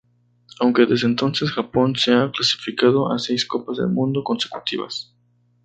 Aunque, desde entonces, Japón se ha clasificado a seis Copas del Mundo consecutivas.